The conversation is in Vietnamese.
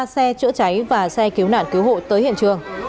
ba xe chữa cháy và xe cứu nạn cứu hộ tới hiện trường